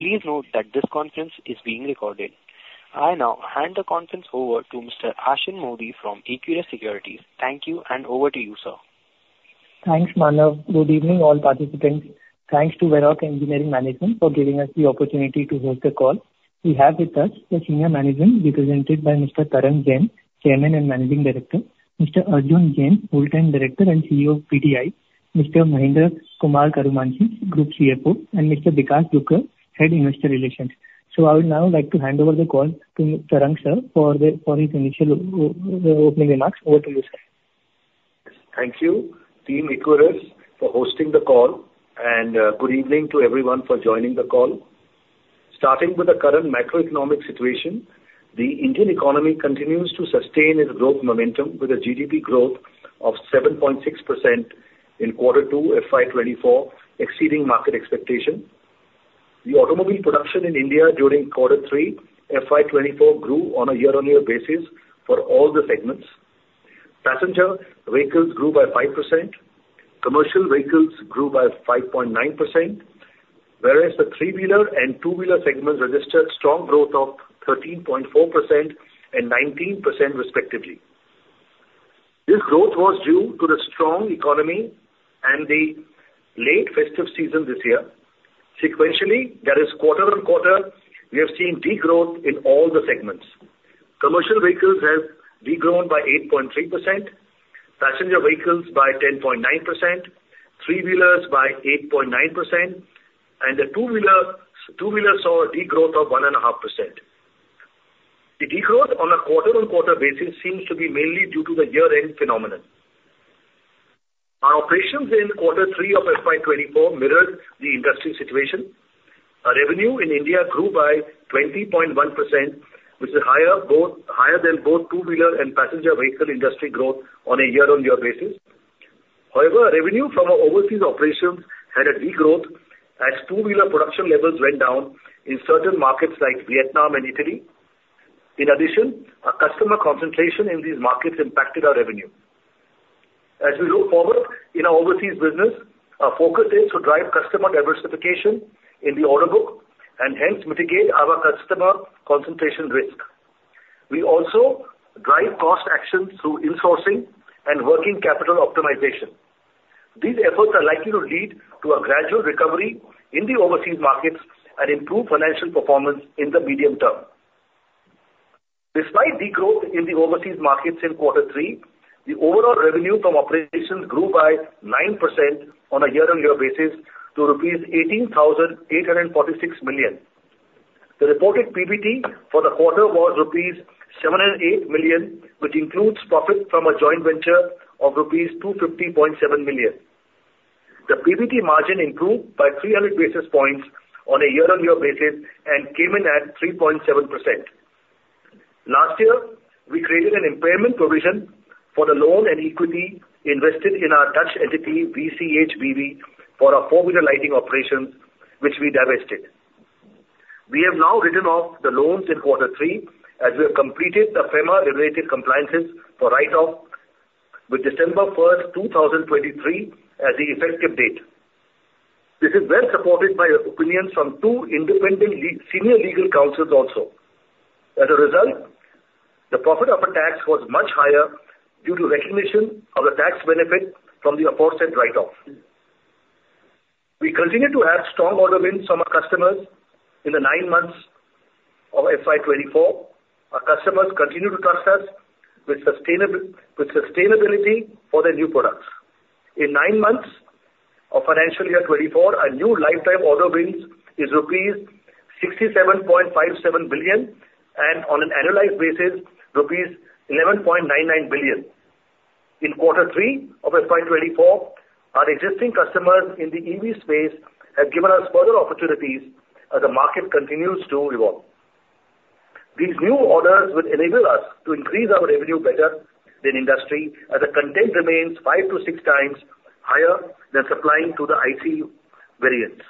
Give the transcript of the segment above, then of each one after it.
Please note that this conference is being recorded. I now hand the conference over to Mr. Ashin Modi from Equirus Securities. Thank you, and over to you, sir. Thanks, Manav. Good evening, all participants. Thanks to Varroc Engineering management for giving us the opportunity to host the call. We have with us the senior management, represented by Mr. Tarang Jain, Chairman and Managing Director; Mr. Arjun Jain, Full-time Director and CEO of PTI; Mr. K. Mahendra Kumar, Group CFO; and Mr. Bikash Dugar, Head, Investor Relations. So I would now like to hand over the call to Tarang, sir, for his initial opening remarks. Over to you, sir. Thank you, Team Equirus, for hosting the call, and, good evening to everyone for joining the call. Starting with the current macroeconomic situation, the Indian economy continues to sustain its growth momentum with a GDP growth of 7.6% in quarter two, FY 2024, exceeding market expectation. The automobile production in India during quarter three, FY 2024, grew on a year-on-year basis for all the segments. Passenger vehicles grew by 5%, commercial vehicles grew by 5.9%, whereas the three-wheeler and two-wheeler segments registered strong growth of 13.4% and 19% respectively. This growth was due to the strong economy and the late festive season this year. Sequentially, that is quarter-on-quarter, we have seen degrowth in all the segments. Commercial vehicles have degrown by 8.3%, passenger vehicles by 10.9%, three-wheelers by 8.9%, and the two-wheeler, two-wheeler saw a degrowth of 1.5%. The degrowth on a quarter-on-quarter basis seems to be mainly due to the year-end phenomenon. Our operations in quarter three of FY 2024 mirrored the industry situation. Our revenue in India grew by 20.1%, which is higher both, higher than both two-wheeler and passenger vehicle industry growth on a year-on-year basis. However, revenue from our overseas operations had a degrowth as two-wheeler production levels went down in certain markets like Vietnam and Italy. In addition, our customer concentration in these markets impacted our revenue. As we look forward in our overseas business, our focus is to drive customer diversification in the order book and hence mitigate our customer concentration risk. We also drive cost actions through insourcing and working capital optimization. These efforts are likely to lead to a gradual recovery in the overseas markets and improve financial performance in the medium term. Despite degrowth in the overseas markets in quarter three, the overall revenue from operations grew by 9% on a year-on-year basis to rupees 18,846 million. The reported PBT for the quarter was rupees 708 million, which includes profit from a joint venture of rupees 250.7 million. The PBT margin improved by 300 basis points on a year-on-year basis and came in at 3.7%. Last year, we created an impairment provision for the loan and equity invested in our Dutch entity, VCH B.V., for our four-wheeler lighting operations, which we divested. We have now written off the loans in quarter three, as we have completed the FEMA-related compliances for write-off with December 1, 2023, as the effective date. This is well supported by opinions from two independent senior legal counsels also. As a result, the profit after tax was much higher due to recognition of the tax benefit from the aforesaid write-off. We continue to have strong order wins from our customers in the nine months of FY 2024. Our customers continue to trust us with sustainability for their new products. In nine months of financial year 2024, our new lifetime order wins is rupees 67.57 billion, and on an annualized basis, rupees 11.99 billion. In quarter three of FY 2024, our existing customers in the EV space have given us further opportunities as the market continues to evolve. These new orders would enable us to increase our revenue better than industry, as the content remains five to six times higher than supplying to the IC variants.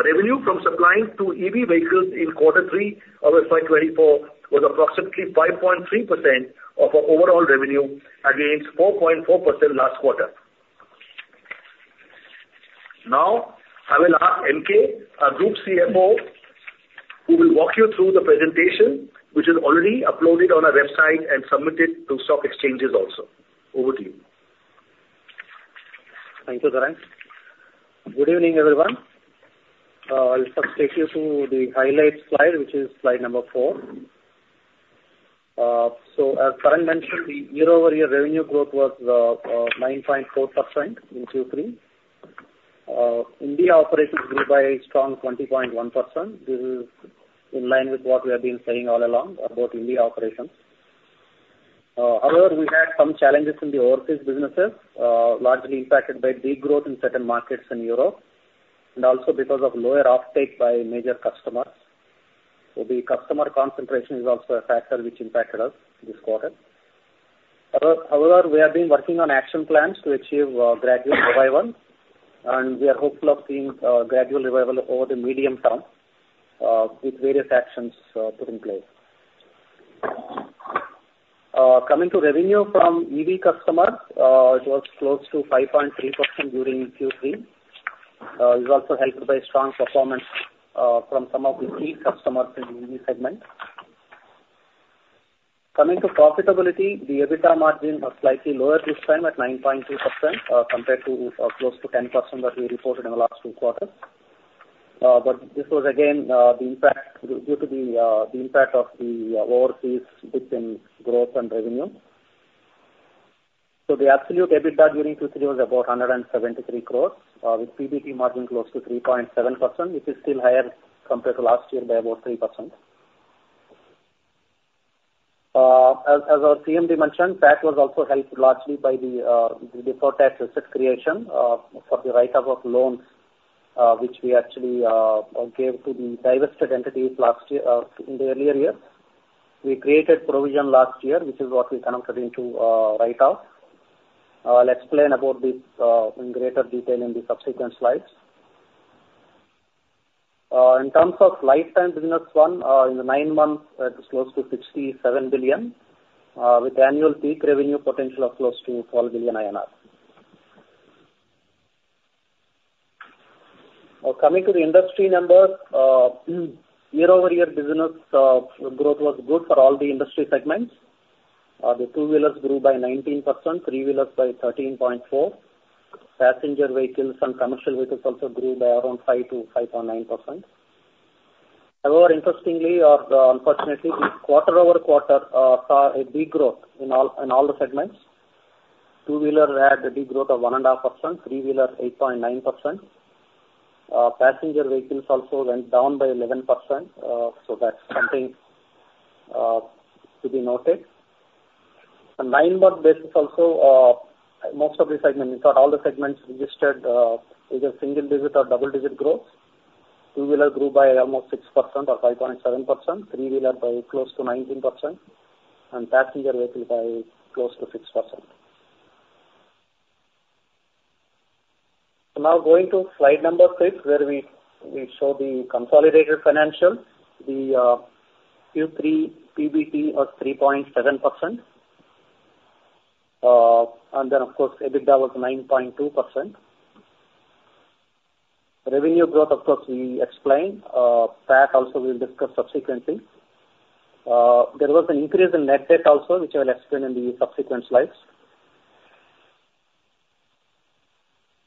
Our revenue from supplying to EV vehicles in quarter three of FY 2024 was approximately 5.3% of our overall revenue, against 4.4% last quarter. Now, I will ask K. Mahendra Kumar, our Group CFO, who will walk you through the presentation, which is already uploaded on our website and submitted to stock exchanges also. Over to you. Thank you, Tarang. Good evening, everyone. I'll first take you through the highlights slide, which is slide number four. So as Tarang mentioned, the year-over-year revenue growth was 9.4% in Q3. India operations grew by a strong 20.1%. This is in line with what we have been saying all along about India operations. However, we had some challenges in the overseas businesses, largely impacted by degrowth in certain markets in Europe, and also because of lower offtake by major customers. So the customer concentration is also a factor which impacted us this quarter. However, we have been working on action plans to achieve gradual revival, and we are hopeful of seeing gradual revival over the medium term with various actions put in place. Coming to revenue from EV customers, it was close to 5.3% during Q3. It was also helped by strong performance from some of the key customers in the EV segment. Coming to profitability, the EBITDA margin was slightly lower this time at 9.2%, compared to close to 10% that we reported in the last two quarters. But this was again the impact due to the impact of the overseas dip in growth and revenue. So the absolute EBITDA during Q3 was about 173 crore, with PBT margin close to 3.7%, which is still higher compared to last year by about 3%. As our CMD mentioned, that was also helped largely by the deferred tax asset creation for the write-off of loans, which we actually gave to the divested entities last year, in the earlier year. We created provision last year, which is what we converted into write-off. I'll explain about this in greater detail in the subsequent slides. In terms of lifetime business won, in the nine months, it is close to 67 billion, with annual peak revenue potential of close to 12 billion INR. Coming to the industry numbers, year-over-year business growth was good for all the industry segments. The two-wheelers grew by 19%, three-wheelers by 13.4%. Passenger vehicles and commercial vehicles also grew by around 5%-5.9%. However, interestingly or unfortunately, quarter-over-quarter saw a degrowth in all, in all the segments. Two-wheeler had a degrowth of 1.5%, three-wheeler 8.9%. Passenger vehicles also went down by 11%. So that's something to be noted. On nine-month basis also, most of the segments, in fact all the segments, registered either single digit or double digit growth. Two-wheeler grew by almost 6% or 5.7%, three-wheeler by close to 19% and passenger vehicle by close to 6%. So now going to slide number six, where we show the consolidated financials. The Q3 PBT was 3.7%. Then, of course, EBITDA was 9.2%. Revenue growth, of course, we explained. PAT also we'll discuss subsequently. There was an increase in net debt also, which I will explain in the subsequent slides.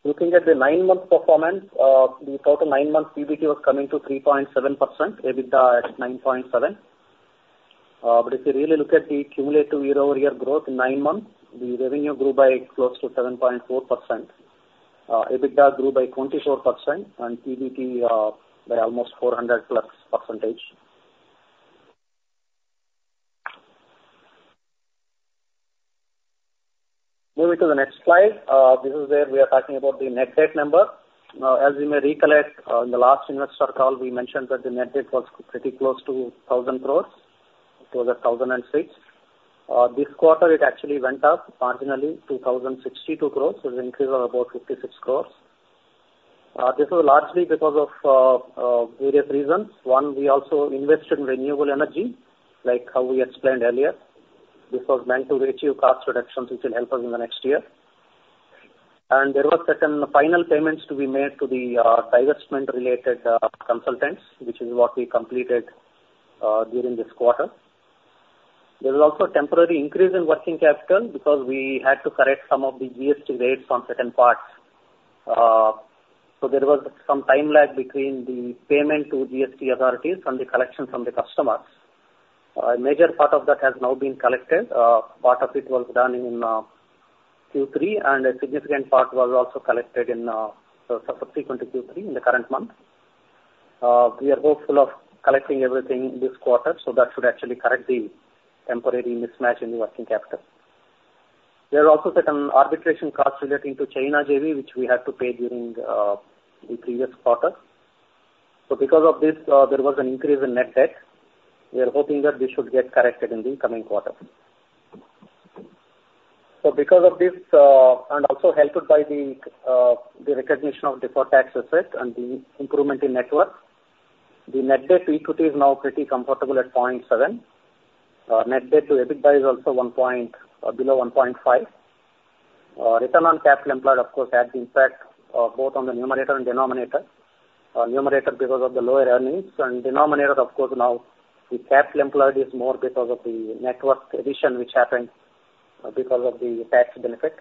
Looking at the nine-month performance, the total nine-month PBT was coming to 3.7%, EBITDA at 9.7%. But if you really look at the cumulative year-over-year growth in nine months, the revenue grew by close to 7.4%. EBITDA grew by 24% and PBT, by almost 400+%. Moving to the next slide. This is where we are talking about the net debt number. Now, as you may recollect, in the last investor call, we mentioned that the net debt was pretty close to 1,000 crore. It was at 1,006 crore. This quarter, it actually went up marginally to 1,062 crores, so an increase of about 56 crores. This was largely because of various reasons. One, we also invested in renewable energy, like how we explained earlier. This was meant to achieve cost reductions, which will help us in the next year. There were certain final payments to be made to the divestment related consultants, which is what we completed during this quarter. There was also a temporary increase in working capital because we had to correct some of the GST rates on certain parts. So there was some time lag between the payment to GST authorities and the collection from the customers. A major part of that has now been collected. Part of it was done in Q3, and a significant part was also collected subsequent to Q3 in the current month. We are hopeful of collecting everything this quarter, so that should actually correct the temporary mismatch in the working capital. There are also certain arbitration costs relating to China JV, which we had to pay during the previous quarter. So because of this, there was an increase in net debt. We are hoping that this should get corrected in the coming quarter. So because of this, and also helped by the recognition of deferred tax asset and the improvement in net worth, the net debt to equity is now pretty comfortable at 0.7% net debt to EBITDA is also 1.0% below 1.5. Return on capital employed, of course, had impact both on the numerator and denominator. Numerator because of the lower earnings, and denominator, of course, now the capital employed is more because of the net worth addition which happened because of the tax benefit.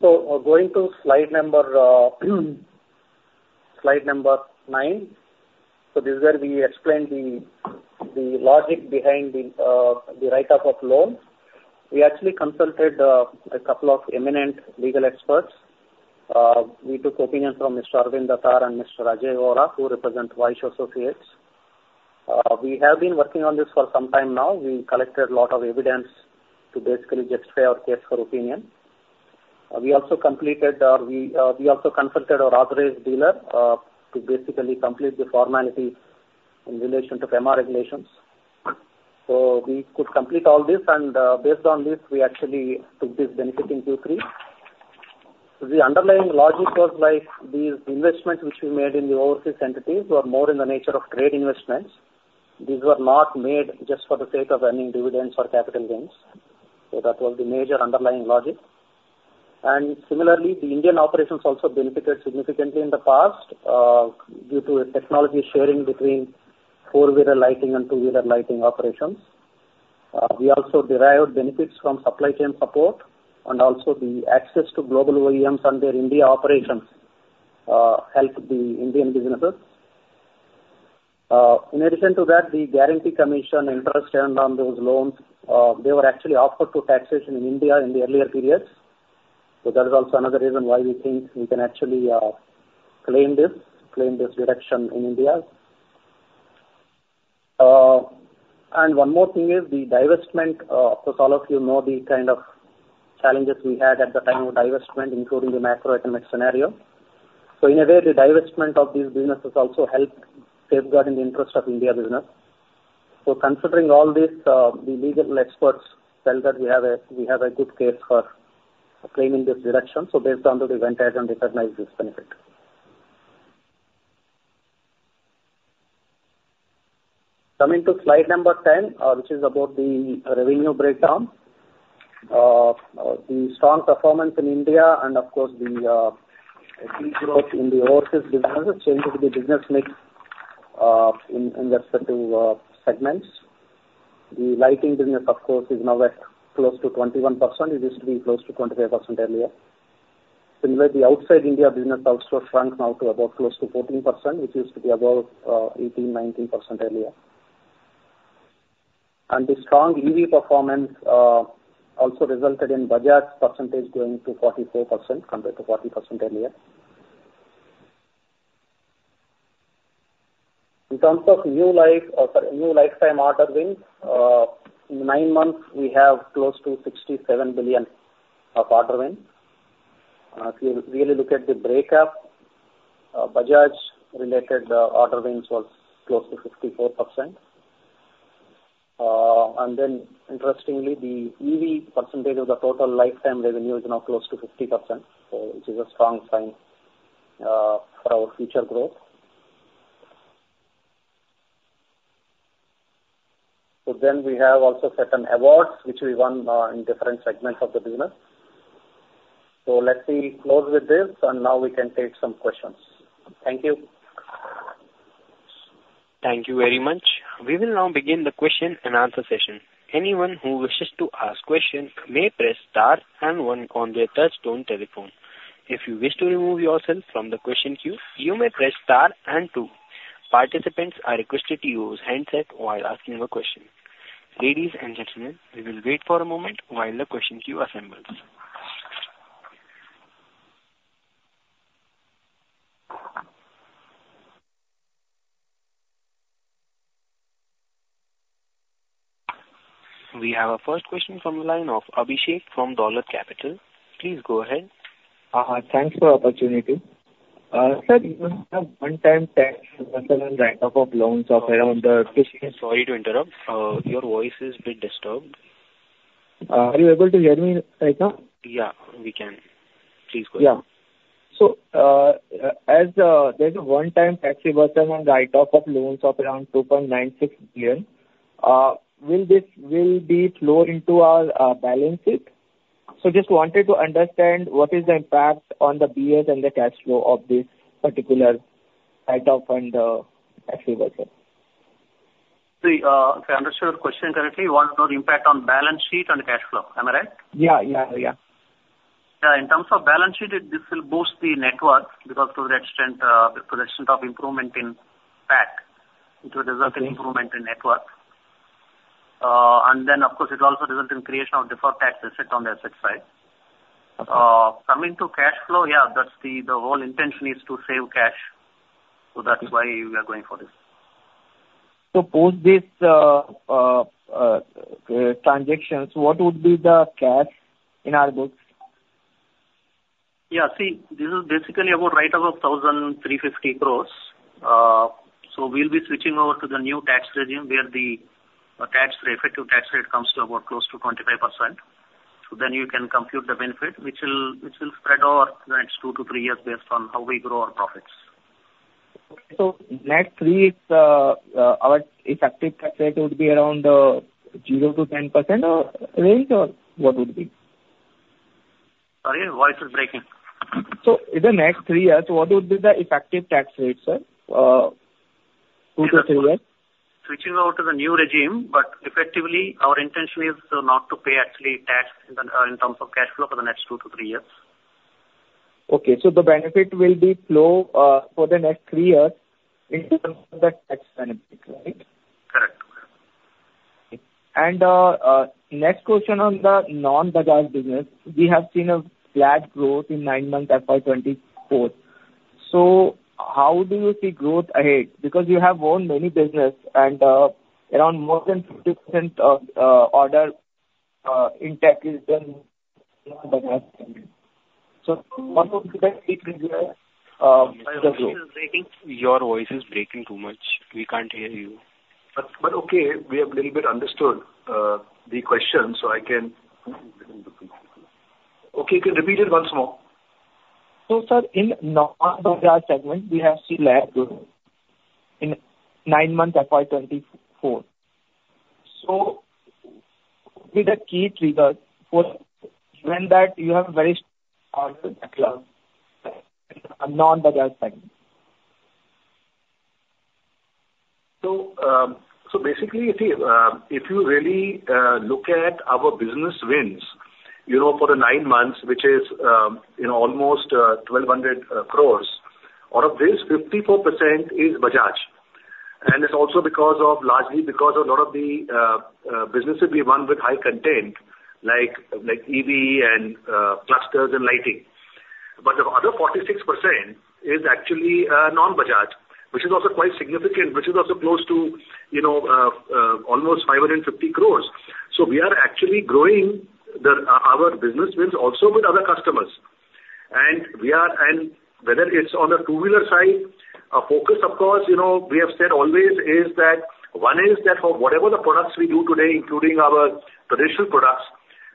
So going to slide number nine. So this is where we explain the logic behind the write-off of loans. We actually consulted a couple of eminent legal experts. We took opinion from Mr. Arvind Datar and Mr. Ajay Vora, who represent Vaish Associates. We have been working on this for some time now. We collected a lot of evidence to basically justify our case for opinion. We also consulted a registered dealer to basically complete the formalities in relation to FEMA regulations. So we could complete all this, and based on this, we actually took this benefit in Q3. The underlying logic was like the investment which we made in the overseas entities were more in the nature of trade investments. These were not made just for the sake of earning dividends or capital gains, so that was the major underlying logic. And similarly, the Indian operations also benefited significantly in the past due to a technology sharing between four-wheeler lighting and two-wheeler lighting operations. We also derived benefits from supply chain support and also the access to global OEMs and their India operations helped the Indian businesses. In addition to that, the guarantee commission interest earned on those loans, they were actually offered to taxation in India in the earlier periods. So that is also another reason why we think we can actually claim this deduction in India. And one more thing is the divestment. Of course, all of you know the kind of challenges we had at the time of divestment, including the macroeconomic scenario. So in a way, the divestment of these businesses also helped safeguarding the interest of India business. So considering all this, the legal experts tell that we have a good case for claiming this deduction, so based on that, we went ahead and recognized this benefit. Coming to slide number 10, which is about the revenue breakdown. The strong performance in India and, of course, the deep growth in the overseas businesses changes the business mix in respective segments. The lighting business, of course, is now at close to 21%. It used to be close to 25% earlier. Similarly, the outside India business also shrunk now to about close to 14%, which used to be above, eighteen, nineteen percent earlier. And the strong EV performance also resulted in Bajaj percentage going to 44%, compared to 40% earlier. In terms of new life, or sorry, new lifetime order wins, in nine months, we have close to 67 billion of order wins. If you really look at the breakup, Bajaj related order wins was close to 54%. And then interestingly, the EV percentage of the total lifetime revenue is now close to 50%, so which is a strong sign, for our future growth. So then we have also certain awards which we won in different segments of the business. Let me close with this, and now we can take some questions. Thank you. Thank you very much. We will now begin the question and answer session. Anyone who wishes to ask question may press star and one on their touchtone telephone. If you wish to remove yourself from the question queue, you may press star and two. Participants are requested to use handset while asking a question. Ladies and gentlemen, we will wait for a moment while the question queue assembles. We have our first question from the line of Abhishek from Dolat Capital. Please go ahead. Thanks for the opportunity. Sir, you have one-time tax write-off of loans of around, Sorry to interrupt. Your voice is a bit disturbed. Are you able to hear me right now? Yeah, we can. Please go ahead. Yeah. So, as there's a one-time tax reversal on write-off of loans of around 2.96 billion, will this flow into our balance sheet? So just wanted to understand what is the impact on the BS and the cash flow of this particular write-off and actual provision. See, if I understand your question correctly, you want to know the impact on balance sheet and cash flow. Am I right? Yeah, yeah, yeah. Yeah. In terms of balance sheet, this will boost the net worth because to the extent of improvement in PAT, it will result in improvement in net worth. And then, of course, it will also result in creation of deferred tax asset on the asset side. Okay. Coming to cash flow, yeah, that's the whole intention is to save cash. So that's why we are going for this. So, post this transactions, what would be the cash in our books? Yeah. See, this is basically about right above 1,350 crore. So we'll be switching over to the new tax regime, where the tax, the effective tax rate comes to about close to 25%. So then you can compute the benefit, which will, which will spread over the next two to three years, based on how we grow our profits. Okay. So next three, our effective tax rate would be around 0%-10% or range, or what would it be? Sorry, your voice is breaking. In the next three years, what would be the effective tax rate, sir? Two to three years. Switching over to the new regime, but effectively, our intention is not to pay actually tax in the in terms of cash flow for the next two to three years. Okay, so the benefit will be flow for the next three years in terms of the tax benefit, right? Correct. Next question on the non-Bajaj business. We have seen a flat growth in nine months, FY 2024. So how do you see growth ahead? Because you have owned many business and around more than 50% of order intake is then non-Bajaj.... So one of the key things we are, Your voice is breaking too much. We can't hear you. But okay, we have little bit understood the question, so I can. Okay, can you repeat it once more? So, sir, in segment, we have seen flat growth in nine months, FY 2024. So, what are the key triggers for when that you have very orders backlog, a non-Bajaj segment? So, basically, if you really look at our business wins, you know, for the nine months, which is, you know, almost 1,200 crore, out of this, 54% is Bajaj. And it's also because of, largely because a lot of the businesses we won with high content, like EV and clusters and lighting. But the other 46% is actually non-Bajaj, which is also quite significant, which is also close to, you know, almost 550 crore. So we are actually growing our business wins also with other customers. And whether it's on the two-wheeler side, our focus, of course, you know, we have said always is that one is that for whatever the products we do today, including our traditional products,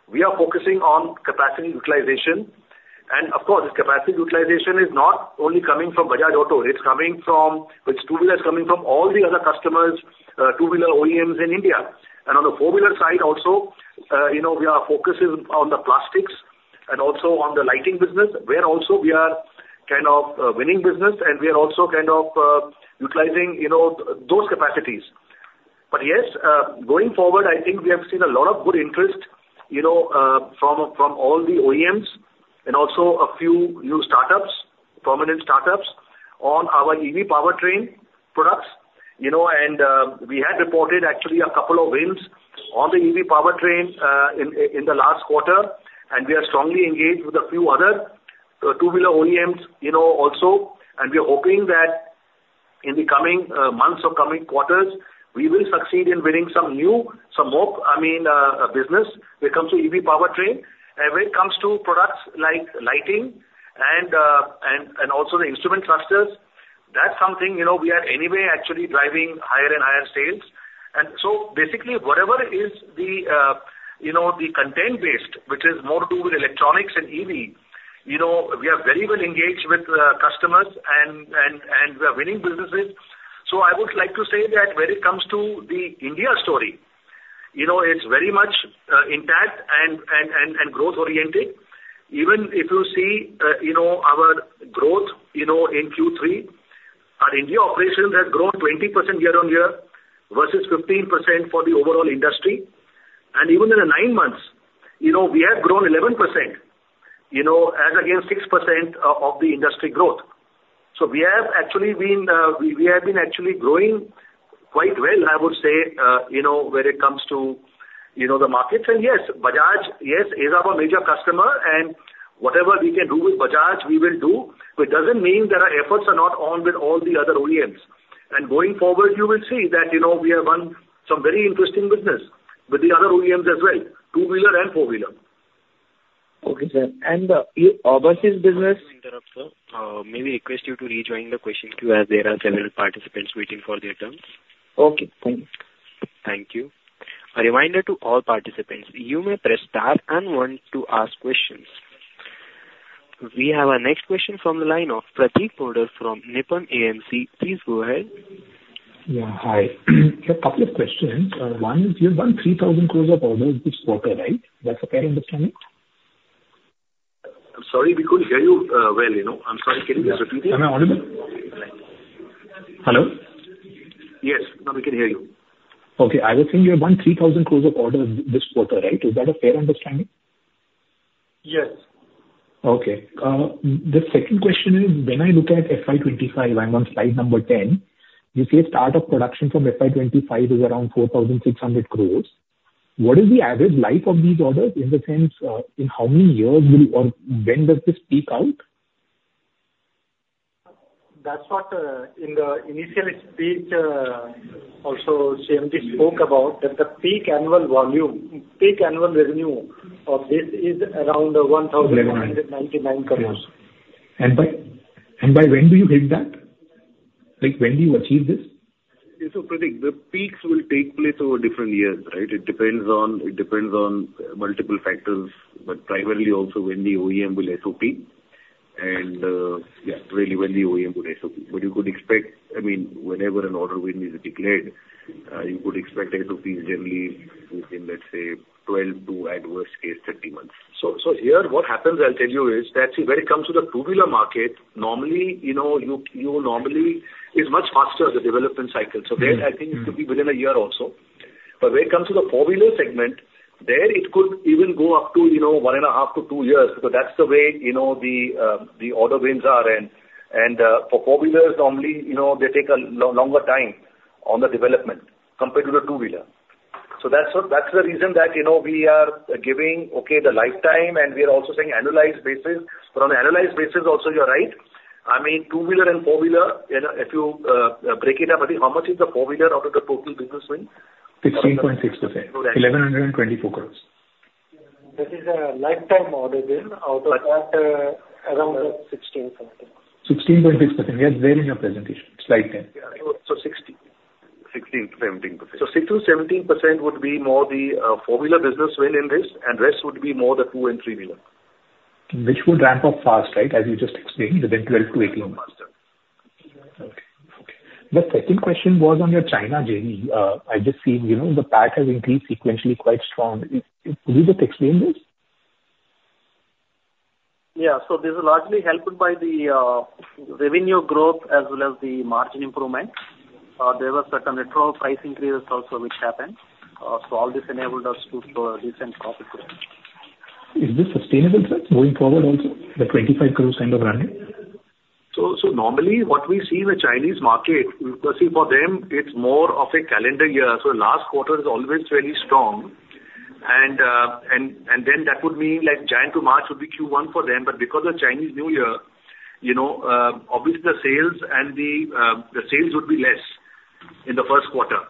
we are focusing on capacity utilization. And of course, this capacity utilization is not only coming from Bajaj Auto, it's coming from, with two-wheelers, coming from all the other customers, two-wheeler OEMs in India. And on the four-wheeler side also, you know, we are focusing on the plastics and also on the lighting business, where also we are kind of, winning business, and we are also kind of, utilizing, you know, those capacities. But yes, going forward, I think we have seen a lot of good interest, you know, from all the OEMs and also a few new startups, prominent startups, on our EV powertrain products, you know, and we had reported actually a couple of wins on the EV powertrain in the last quarter, and we are strongly engaged with a few other two-wheeler OEMs, you know, also, and we are hoping that in the coming months or coming quarters, we will succeed in winning some new, some more, I mean, business when it comes to EV powertrain. And when it comes to products like lighting and also the instrument clusters, that's something, you know, we are anyway actually driving higher and higher sales. And so basically, whatever is the, you know, the content based, which is more to do with electronics and EV, you know, we are very well engaged with customers and we are winning businesses. So I would like to say that when it comes to the India story, you know, it's very much intact and growth-oriented. Even if you see, you know, our growth, you know, in Q3, our India operations has grown 20% year-on-year, versus 15% for the overall industry. And even in the nine months, you know, we have grown 11%, you know, as against 6% of the industry growth. So we have actually been, we have been actually growing quite well, I would say, you know, when it comes to, you know, the markets. And yes, Bajaj, yes, is our major customer, and whatever we can do with Bajaj, we will do, but it doesn't mean that our efforts are not on with all the other OEMs. And going forward, you will see that, you know, we have won some very interesting business with the other OEMs as well, two-wheeler and four-wheeler. Okay, sir. and, Overseas business- Sorry to interrupt, sir. May we request you to rejoin the question queue, as there are several participants waiting for their turns? Okay, thank you. Thank you. A reminder to all participants, you may press star and one to ask questions. We have our next question from the line of Prateek Poddar from Nippon AMC. Please go ahead. Yeah, hi. A couple of questions. One, you've won 3,000 crore of orders this quarter, right? That's a fair understanding? I'm sorry, we couldn't hear you, well, you know. I'm sorry, can you just repeat it? Am I audible? Hello? Yes, now we can hear you. Okay. I was saying you have won 3,000 crore of orders this quarter, right? Is that a fair understanding? Yes. Okay. The second question is, when I look at FY 2025, I'm on slide number 10, you say start of production from FY 2025 is around 4,600 crore. What is the average life of these orders, in the sense, in how many years will or when does this peak out? That's what, in the initial speech, also CMD spoke about, that the peak annual volume, peak annual revenue of this is around 1,199 crore. And by and by, when do you hit that? Like, when do you achieve this? So, Pratik, the peaks will take place over different years, right? It depends on, it depends on multiple factors, but primarily also when the OEM will SOP. And, yeah, really when the OEM would SOP. But you could expect, I mean, whenever an order win is declared, you would expect it to be generally within, let's say, 12 to, at worst case, 30 months. So, here, what happens, I'll tell you, is that, see, when it comes to the two-wheeler market, normally, you know, you normally... It's much faster, the development cycle, so there I think it could be within a year or so. But when it comes to the four-wheeler segment, there, it could even go up to, you know, one and a half to two years, because that's the way, you know, the order wins are. And for four-wheelers, normally, you know, they take a longer time on the development compared to the two-wheeler. So that's the reason that, you know, we are giving, okay, the lifetime, and we are also saying annualized basis. But on an annualized basis also, you're right. I mean, two-wheeler and four-wheeler, you know, if you break it up, I think how much is the four-wheeler out of the total business win? 16.6%. Got it. 1,124 crore. That is a lifetime order win. Out of that, around 16% something. 16.6%. Yes, there in your presentation, slide 10. Yeah. So 16%. 16%-17%. So 16%-17% would be more the four-wheeler business win in this, and rest would be more the two- and three-wheeler. Which would ramp up fast, right? As you just explained, the [12 months-18 months]. Okay. Okay. The second question was on your China JV. I just see, you know, the pack has increased sequentially quite strong. Could you just explain this? Yeah. This is largely helped by the revenue growth as well as the margin improvement. There were certain gasoline price increases also which happened. All this enabled us to show a decent profit growth. Is this sustainable, sir, going forward also, the 25 crore kind of revenue? So normally what we see in the Chinese market, you see for them it's more of a calendar year. So last quarter is always very strong. And then that would mean like Jan to March would be Q1 for them. But because of Chinese New Year, you know, obviously the sales and the sales would be less in the first quarter.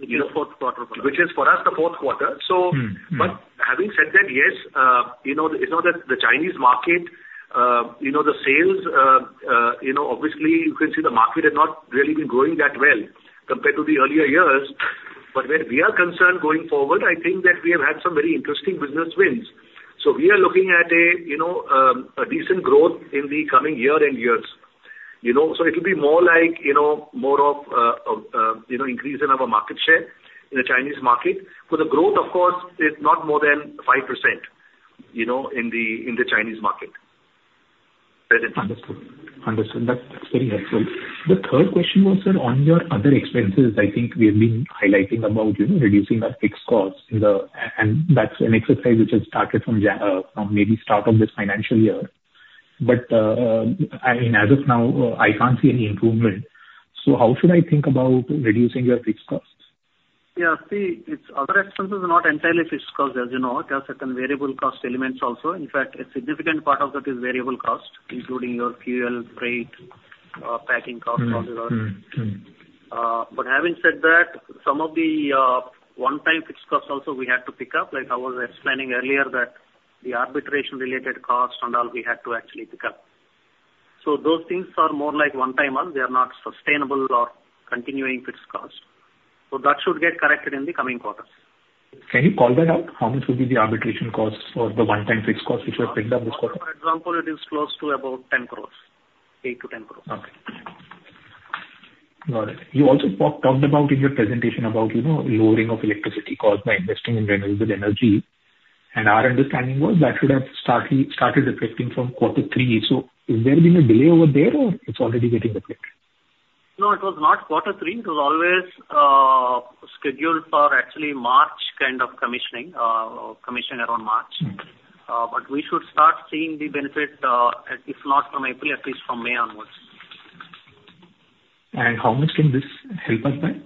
In the fourth quarter. Which is for us, the fourth quarter. So, but having said that, yes, you know, it's not that the Chinese market, you know, the sales, you know, obviously, you can see the market has not really been growing that well compared to the earlier years. But where we are concerned going forward, I think that we have had some very interesting business wins. So we are looking at a, you know, a decent growth in the coming year and years, you know. So it'll be more like, you know, more of, you know, increase in our market share in the Chinese market. So the growth, of course, is not more than 5%, you know, in the Chinese market. Understood. Understood. That's very helpful. The third question was, sir, on your other expenses, I think we have been highlighting about, you know, reducing our fixed costs in the... And that's an exercise which has started from January, from maybe start of this financial year. But, I mean, as of now, I can't see any improvement. So how should I think about reducing your fixed costs? Yeah, see, its other expenses are not entirely fixed costs, as you know. There are certain variable cost elements also. In fact, a significant part of that is variable cost, including your fuel, freight, packing costs as well. But having said that, some of the one-time fixed costs also we had to pick up. Like I was explaining earlier, that the arbitration-related costs and all, we had to actually pick up. So those things are more like one-time only, they are not sustainable or continuing fixed costs. So that should get corrected in the coming quarters. Can you call that out? How much would be the arbitration costs or the one-time fixed costs which were picked up this quarter? For example, it is close to about 10 crore, 8 crore-10 crore. Okay. Got it. You also talked about in your presentation about, you know, lowering of electricity costs by investing in renewable energy. And our understanding was that should have started reflecting from quarter three. So has there been a delay over there, or it's already getting reflected? No, it was not quarter three. It was always scheduled for actually March kind of commissioning, commission around March. But we should start seeing the benefit, if not from April, at least from May onwards. How much can this help us by?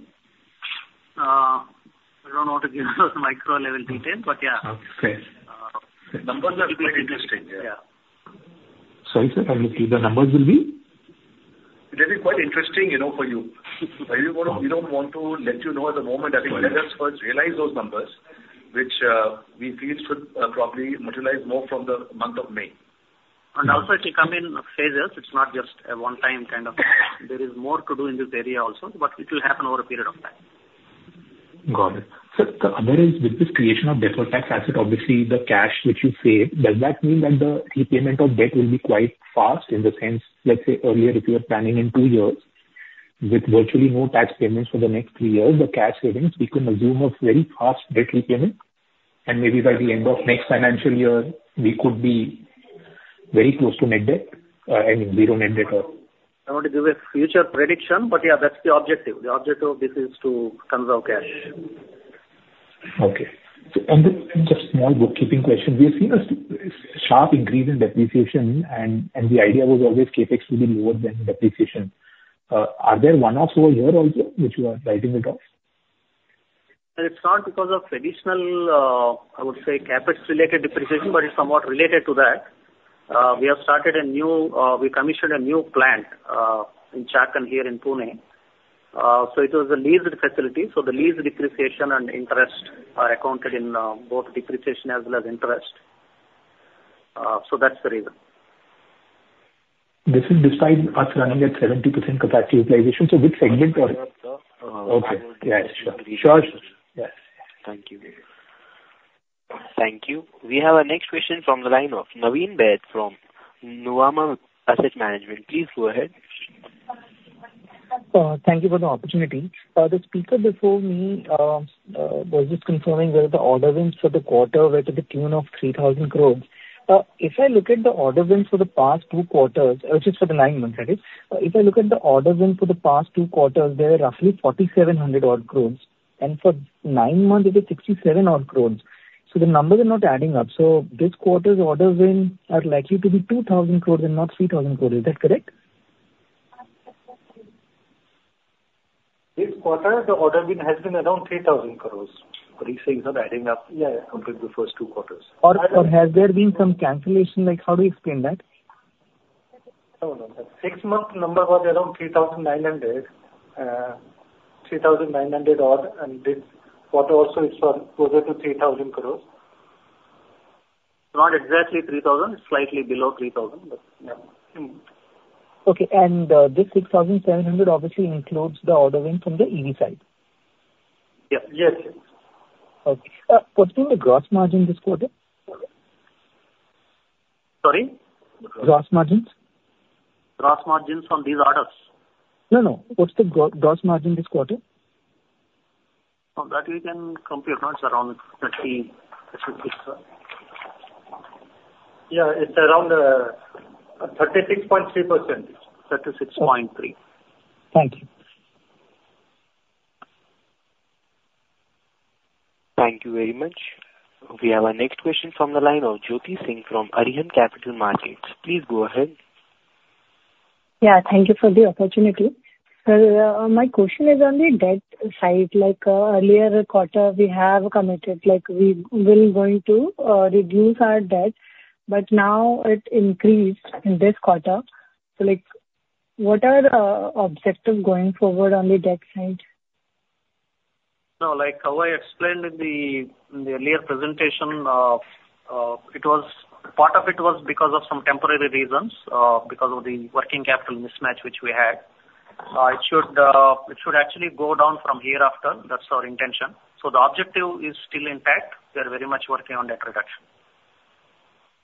I don't want to give micro level detail, but yeah. Okay. Numbers are quite interesting, yeah. Sorry, sir, the numbers will be? It will be quite interesting, you know, for you. We don't want to let you know at the moment. Right. I think let us first realize those numbers, which we feel should probably materialize more from the month of May. Also, it will come in phases. It's not just a one-time kind of... There is more to do in this area also, but it will happen over a period of time. Got it. So the other is, with this creation of deferred tax asset, obviously the cash which you save, does that mean that the repayment of debt will be quite fast? In the sense, let's say earlier, if you were planning in two years, with virtually no tax payments for the next three years, the cash savings, we can assume a very fast debt repayment, and maybe by the end of next financial year, we could be very close to net debt, I mean, zero net debt at all. I want to give a future prediction, but yeah, that's the objective. The objective of this is to conserve cash. Okay. So on the, just small bookkeeping question, we've seen a sharp increase in depreciation, and the idea was always CapEx will be lower than depreciation. Are there one-offs over here also, which you are writing it off? It's not because of traditional, I would say, CapEx-related depreciation, but it's somewhat related to that. We commissioned a new plant in Chakan, here in Pune. So it was a leased facility, so the lease depreciation and interest are accounted in both depreciation as well as interest. So that's the reason. This is despite us running at 70% capacity utilization, so which segment? Okay. Yeah, sure. Sure. Yes. Thank you. Thank you. We have our next question from the line of Naveen Baid from Nuvama Asset Management. Please go ahead. Thank you for the opportunity. The speaker before me was just confirming whether the order wins for the quarter were to the tune of 3,000 crore. If I look at the order wins for the past two quarters, just for the nine months, that is. If I look at the order wins for the past two quarters, they are roughly 4,700 crore, and for nine months, it is 67 crore. So the numbers are not adding up. So this quarter's order wins are likely to be 2,000 crore and not 3,000 crore. Is that correct? This quarter, the order win has been around 3,000 crore. What he's saying is not adding up- Yeah. Compared to the first two quarters. Or has there been some cancellation? Like, how do you explain that? No, no. six-month number was around 3,900 crore, 3,900 crore odd, and this quarter also is for closer to 3,000 crore. Not exactly 3,000, it's slightly below 3,000, but yeah. Okay, this 6,700 obviously includes the ordering from the EV side? Yes. Yes. Okay. What's been the gross margin this quarter? Sorry? Gross margins. Gross margins from these orders? No, no. What's the gross margin this quarter? Oh, that we can compare, around 30%... Yeah, it's around, 36.3%. 36.3%. Thank you. Thank you very much. We have our next question from the line of Jyoti Singh from Arihant Capital Markets. Please go ahead. Yeah, thank you for the opportunity. Sir, my question is on the debt side, like, earlier quarter, we have committed, like, we were going to reduce our debt, but now it increased in this quarter. So, like, what are the objectives going forward on the debt side? No, like how I explained in the earlier presentation, part of it was because of some temporary reasons, because of the working capital mismatch which we had. It should actually go down from hereafter, that's our intention. So the objective is still intact. We are very much working on debt reduction.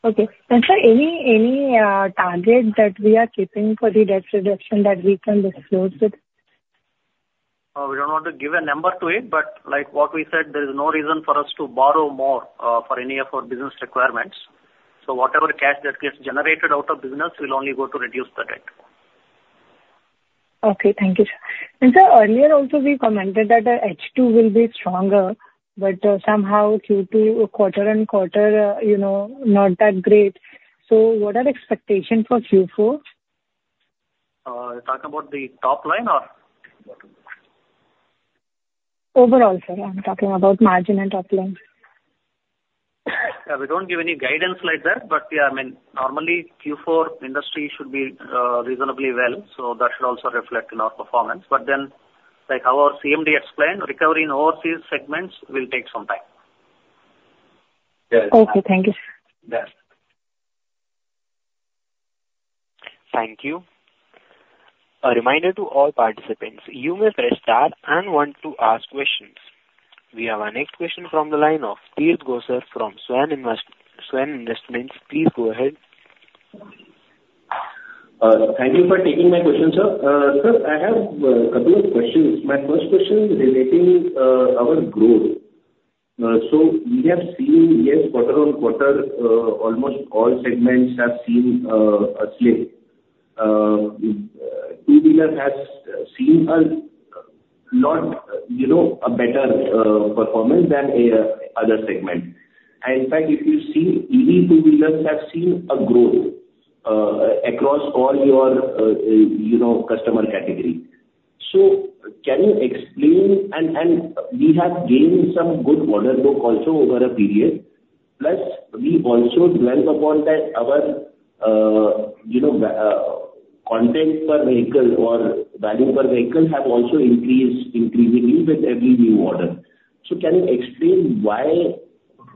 Okay. Sir, any target that we are keeping for the debt reduction that we can disclose? We don't want to give a number to it, but like what we said, there is no reason for us to borrow more, for any of our business requirements. So whatever cash that gets generated out of business will only go to reduce the debt. Okay, thank you, sir. And sir, earlier also we commented that, H2 will be stronger, but, somehow Q2, quarter and quarter, you know, not that great. So what are the expectations for Q4? You're talking about the top line or bottom line? Overall, sir, I'm talking about margin and top line. Yeah, we don't give any guidance like that, but, yeah, I mean, normally, Q4 industry should be reasonably well, so that should also reflect in our performance. But then, like our CMD explained, recovery in overseas segments will take some time. Okay. Thank you, sir. Yes. Thank you. A reminder to all participants, you may press star and one to ask questions. We have our next question from the line of [Tirth Gosar] from Swan Investments. Please go ahead. Thank you for taking my question, sir. Sir, I have a couple of questions. My first question relating our growth. So we have seen, yes, quarter-on-quarter, almost all segments have seen a slip. Two-wheeler has seen a lot, you know, a better performance than any other segment. And in fact, if you see, EV two-wheelers have seen a growth across all your customer category. So can you explain. And we have gained some good order book also over a period. Plus, we also dwelt upon that our content per vehicle or value per vehicle have also increased increasingly with every new order. So can you explain why,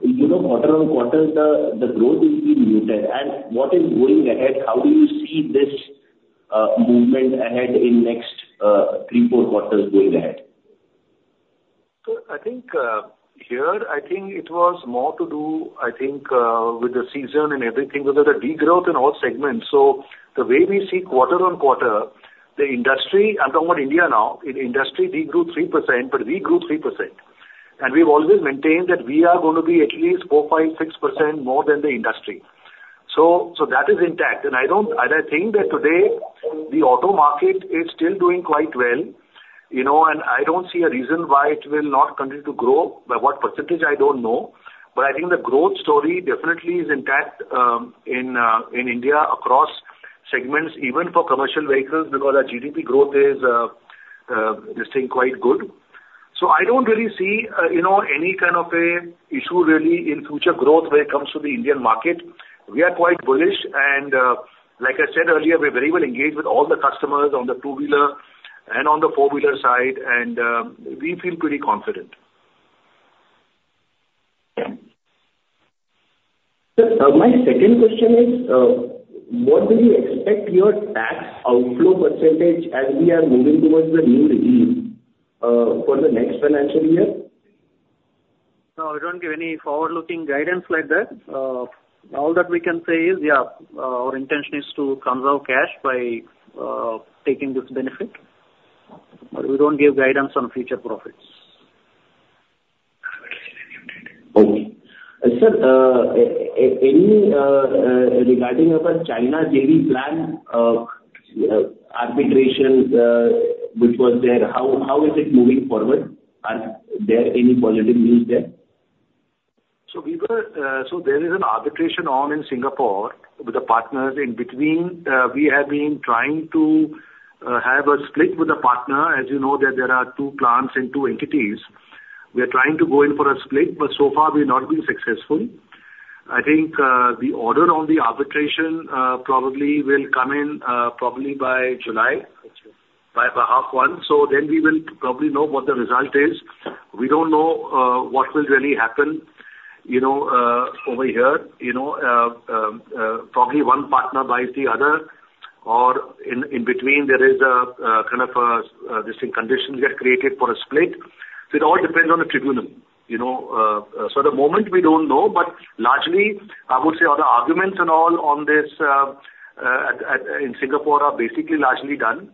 you know, quarter-on-quarter, the growth is being muted, and what is going ahead? How do you see this movement ahead in next three to four quarters going ahead? So I think, here, I think it was more to do, I think, with the season and everything, with the degrowth in all segments. So the way we see quarter on quarter, the industry, I'm talking about India now, in industry degrew 3%, but we grew 3%. And we've always maintained that we are going to be at least 4%, 5%, 6% more than the industry. So, so that is intact, and I don't-- and I think that today the auto market is still doing quite well, you know, and I don't see a reason why it will not continue to grow. By what percentage, I don't know. But I think the growth story definitely is intact, in, in India across segments, even for commercial vehicles, because our GDP growth is, staying quite good. So I don't really see, you know, any kind of a issue really in future growth when it comes to the Indian market. We are quite bullish, and, like I said earlier, we're very well engaged with all the customers on the two-wheeler and on the four-wheeler side, and, we feel pretty confident. Sir, my second question is, what do you expect your tax outflow percentage as we are moving towards the new regime, for the next financial year? No, we don't give any forward-looking guidance like that. All that we can say is, yeah, our intention is to conserve cash by taking this benefit, but we don't give guidance on future profits. Okay. Sir, any regarding about China JV plan, arbitrations, which was there, how is it moving forward? Are there any positive news there?... So there is an arbitration on in Singapore with the partners. In between, we have been trying to have a split with the partner. As you know, that there are two plants and two entities. We are trying to go in for a split, but so far we've not been successful. I think, the order on the arbitration probably will come in, probably by July. Got you. By half one, so then we will probably know what the result is. We don't know what will really happen, you know, probably one partner buys the other, or in between there is a kind of a distinct conditions get created for a split. So it all depends on the tribunal, you know. So the moment we don't know, but largely, I would say all the arguments and all on this at in Singapore are basically largely done.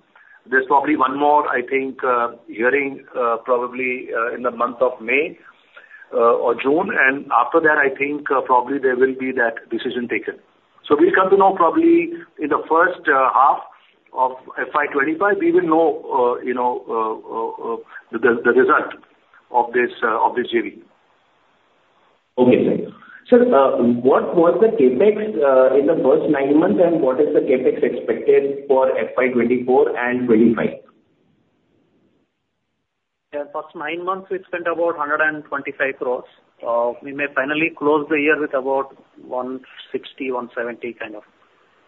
There's probably one more, I think, hearing, probably, in the month of May or June, and after that, I think, probably there will be that decision taken. So we'll come to know probably in the first half of FY 2025, we will know, you know, the result of this JV. Okay, thank you. Sir, what was the CapEx in the first nine months, and what is the CapEx expected for FY 2024 and 2025? Yeah, first nine months, we spent about 125 crores. We may finally close the year with about 160-170, kind of.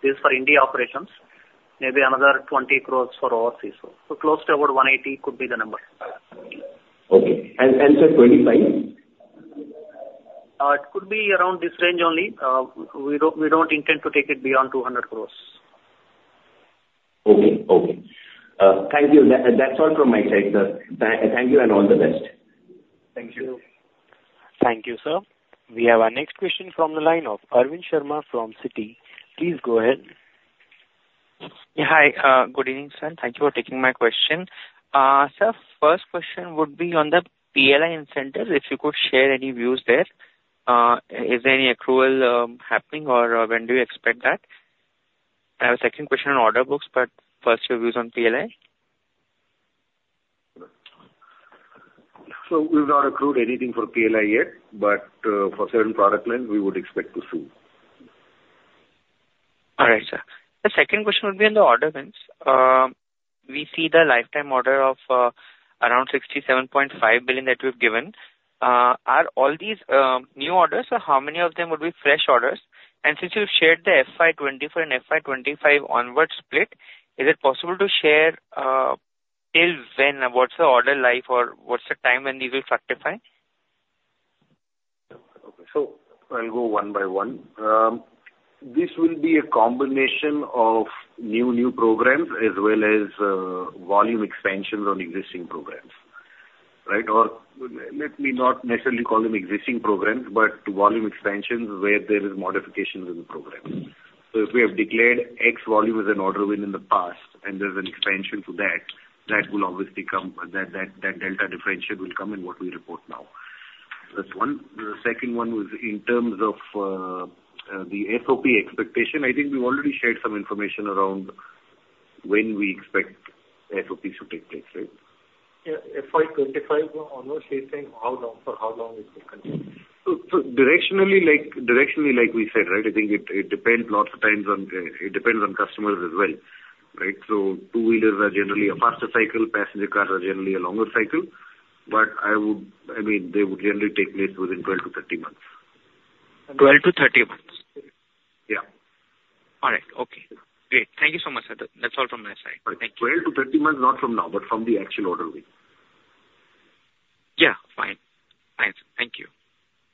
This is for India operations. Maybe another 20 crores for overseas. So close to about 180 could be the number. Okay. And so 25? It could be around this range only. We don't, we don't intend to take it beyond 200 crore. Okay. Okay. Thank you. That, that's all from my side, sir. Thank you and all the best. Thank you. Thank you, sir. We have our next question from the line of Arvind Sharma from Citi. Please go ahead. Yeah, hi. Good evening, sir, and thank you for taking my question. Sir, first question would be on the PLI incentives, if you could share any views there. Is there any accrual happening, or when do you expect that? I have a second question on order books, but first your views on PLI. So we've not accrued anything for PLI yet, but, for certain product lines, we would expect to see. All right, sir. The second question would be on the order wins. We see the lifetime order of around 67.5 billion that you've given. Are all these new orders, or how many of them would be fresh orders? And since you've shared the FY 2024 and FY 2025 onward split, is it possible to share till when, what's the order life or what's the time when we will fructify? So I'll go one by one. This will be a combination of new programs as well as volume expansions on existing programs, right? Or let me not necessarily call them existing programs, but volume expansions where there is modifications in the program. So if we have declared X volume as an order win in the past, and there's an expansion to that, that delta differential will come in what we report now. That's one. The second one was in terms of the SOP expectation. I think we've already shared some information around when we expect SOPs to take place, right? Yeah, FY 2025 onwards, he's saying, how long, for how long it will continue? So, directionally, like we said, right, I think it, it depends lots of times on, it depends on customers as well, right? So two-wheelers are generally a faster cycle, passenger cars are generally a longer cycle, but I would, I mean, they would generally take place within 12-13 months. 12-13 months? Yeah. All right. Okay. Great. Thank you so much, sir. That's all from my side. Thank you. 12-13 months, not from now, but from the actual order win. Yeah, fine. Thanks. Thank you.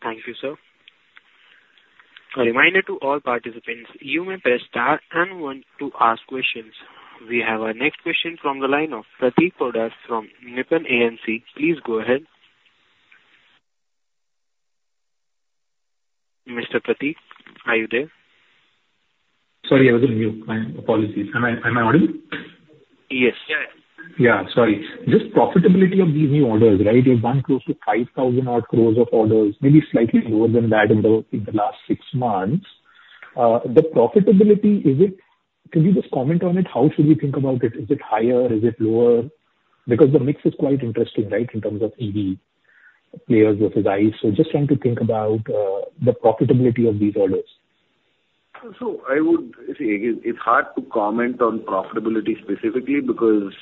Thank you, sir. A reminder to all participants, you may press star and one to ask questions. We have our next question from the line of Prateek Poddar from Nippon AMC. Please go ahead. Mr. Prateek, are you there? Sorry, I was on mute. My apologies. Am I, am I audible? Yes. Yeah, sorry. Just profitability of these new orders, right? You've won close to 5,000-odd crore of orders, maybe slightly lower than that in the last six months. The profitability, is it... Can you just comment on it? How should we think about it? Is it higher? Is it lower? Because the mix is quite interesting, right, in terms of EV players versus ICE. So just trying to think about the profitability of these orders. So I would say it's hard to comment on profitability specifically, because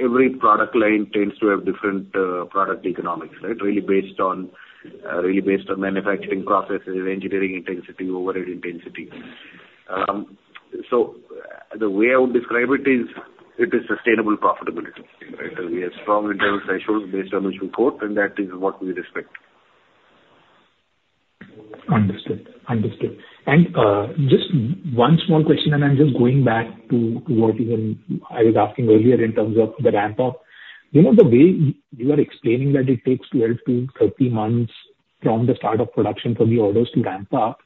every product line tends to have different, product economics, right? Really based on, really based on manufacturing processes, engineering intensity, overhead intensity. So the way I would describe it is, it is sustainable profitability, right? We have strong internal thresholds based on which we quote, and that is what we expect. Understood. Understood. Just one small question, and I'm just going back to, to what you were, I was asking earlier in terms of the ramp up. You know, the way you are explaining that it takes 12-13 months from the start of production from the orders to ramp up,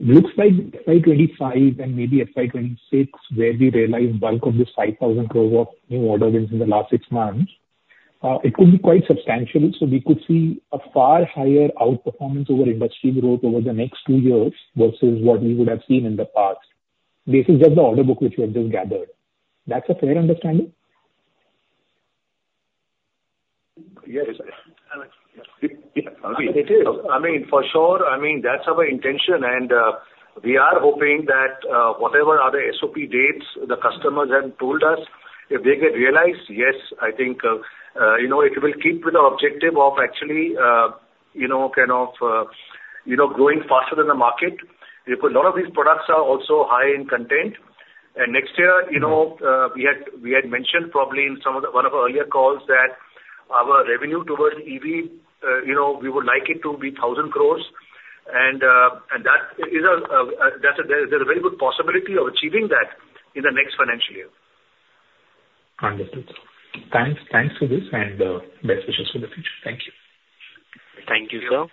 looks like FY 2025 and maybe FY 2026, where we realize bulk of this 5,000 crore of new order wins in the last six months, it could be quite substantial. So we could see a far higher outperformance over industry growth over the next two years versus what we would have seen in the past. This is just the order book which you have just gathered. That's a fair understanding?... Yes, I mean, it is. I mean, for sure, I mean, that's our intention, and, we are hoping that, whatever are the SOP dates, the customers have told us, if they get realized, yes, I think, you know, it will keep with the objective of actually, you know, kind of, you know, growing faster than the market. Because a lot of these products are also high in content. And next year, you know, we had, we had mentioned probably in some of the-- one of our earlier calls that our revenue towards EV, you know, it would like it to be 1,000 crore, and, and that is a, that's a, there's a very good possibility of achieving that in the next financial year. Understood, sir. Thanks. Thanks for this, and best wishes for the future. Thank you. Thank you, sir.